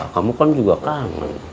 kamu kan juga kangen